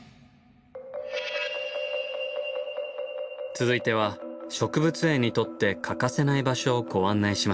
続いては植物園にとって欠かせない場所をご案内しましょう。